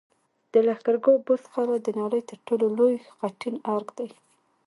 د لښکرګاه بست قلعه د نړۍ تر ټولو لوی خټین ارک دی